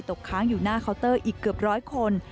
ค้างอยู่หน้าเคาน์เตอร์อีกเกือบร้อยคน